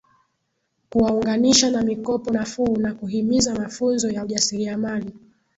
Kuwaunganisha na mikopo nafuu na kuhimiza mafunzo ya ujasiriamali